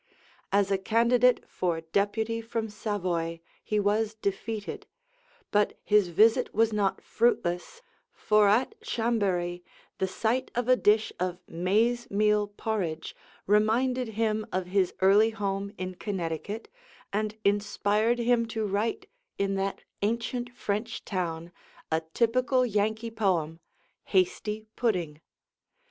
As a candidate for deputy from Savoy, he was defeated; but his visit was not fruitless, for at Chambéry the sight of a dish of maize meal porridge reminded him of his early home in Connecticut, and inspired him to write in that ancient French town a typical Yankee poem, 'Hasty Pudding.'